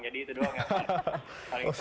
jadi itu doang yang paling terlalu diperlukan